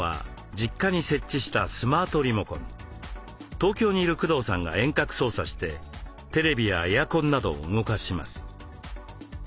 東京にいる工藤さんが遠隔操作してテレビやエアコンなどを動かします。